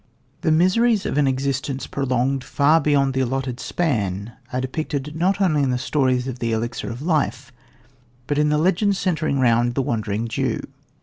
The miseries of an existence, prolonged far beyond the allotted span, are depicted not only in stories of the elixir of life, but in the legends centring round the Wandering Jew.